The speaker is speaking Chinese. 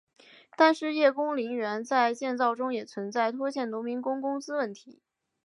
但是叶公陵园在建造中也存在拖欠农民工工资问题。